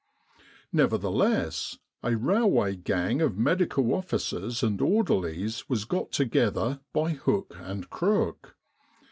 Nevertheless a railway gang of Medical Officers and orderlies was got together by hook and crook.